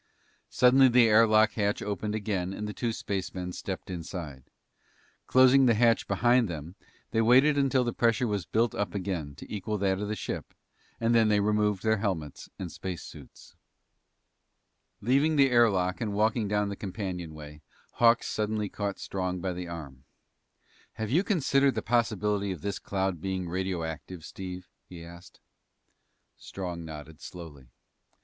Suddenly the air lock hatch opened again and the two spacemen stepped inside. Closing the hatch behind them, they waited until the pressure was built up again to equal that of the ship, and then they removed their helmets and space suits. [Illustration: The hatch opened again and the two spacemen entered the air lock] Leaving the air lock and walking down the companionway, Hawks suddenly caught Strong by the arm. "Have you considered the possibility of this cloud being radioactive, Steve?" he asked. Strong nodded slowly.